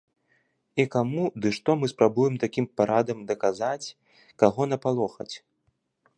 І каму ды што мы спрабуем такім парадам даказаць, каго напалохаць?